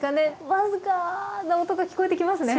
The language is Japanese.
僅かな音が聞こえてきますね！